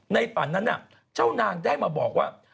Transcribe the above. ฝันนั้นเจ้านางได้มาบอกว่า